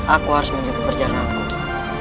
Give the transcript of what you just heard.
aku harus mencari perjalananku